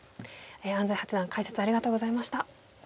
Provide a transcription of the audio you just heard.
安斎八段解説ありがとうございました。